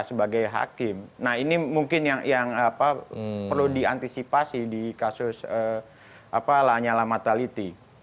sebagai hakim nah ini mungkin yang perlu diantisipasi di kasus lanyala mataliti